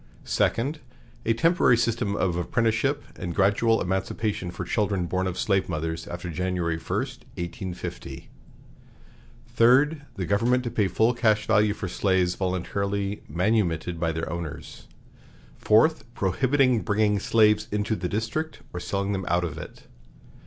Second. A temporary system of apprenticeship and gradual emancipation for children born of slave mothers after January 1, 1850. Third. The government to pay full cash value for slaves voluntarily manumitted by their owners. Fourth. Prohibiting bringing slaves into the District, or selling them out of it.